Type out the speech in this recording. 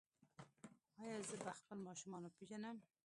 ایا زه به خپل ماشومان وپیژنم؟